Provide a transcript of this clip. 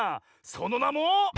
そのなも。